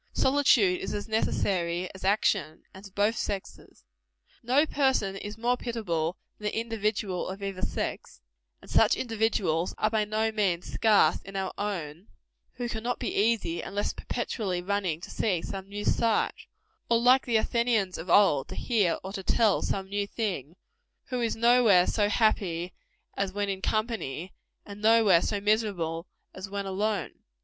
Solitude is as necessary as action; and to both sexes. No person is more pitiable than the individual of either sex and such individuals are by no means scarce in our own who cannot be easy unless perpetually running to see some new sight, or, like the Athenians of old, to hear or to tell some new thing; who is no where so happy as when in company, and no where so miserable as when alone.